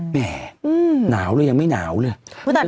แหม่หนาวหรือยังไม่หนาวหรือ